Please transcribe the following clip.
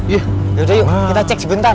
iya yaudah yuk kita cek sebentar